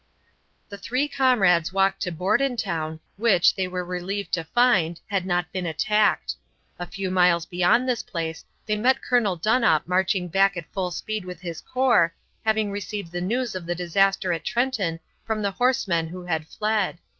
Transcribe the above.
The three comrades walked to Bordentown, which, they were relieved to find, had not been attacked. A few miles beyond this place they met Colonel Donop marching back at full speed with his corps, having received the news of the disaster at Trenton from the horsemen who had fled.